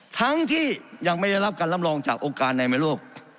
ทั้งที่ยังไม่ได้รับการลำรองจากโอกาสในโลก